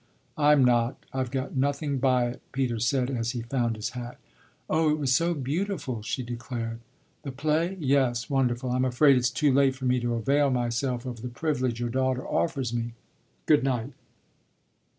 "I'm not. I've got nothing by it," Peter said as he found his hat. "Oh it was so beautiful!" she declared. "The play yes, wonderful. I'm afraid it's too late for me to avail myself of the privilege your daughter offers me. Good night."